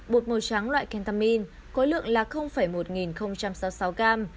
bột màu trắng loại ketamine khối lượng là một nghìn sáu mươi sáu gram